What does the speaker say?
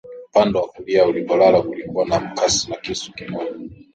Upande wa kulia alipolala kulikuwa na mkasi na kisu kimoja